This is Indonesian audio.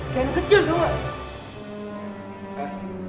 kalian kecil tau gak